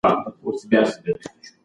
که نظم وي نو بد نظمي نه وي.